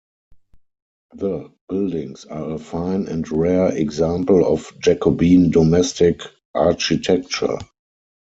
The buildings are a fine and rare example of Jacobean domestic architecture.